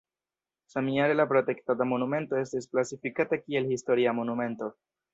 Samjare la protektata monumento estis klasifikata kiel historia monumento.